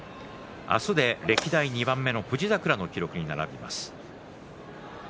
明日で歴代２番目の富士櫻の記録に並びます。